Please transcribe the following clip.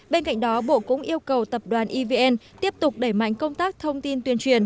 bên cạnh đó bộ cũng yêu cầu tập đoàn evn tiếp tục đẩy mạnh công tác thông tin tuyên truyền